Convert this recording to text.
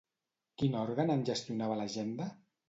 Quin òrgan en gestionava l'agenda?